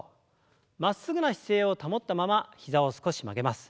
まっすぐな姿勢を保ったまま膝を少し曲げます。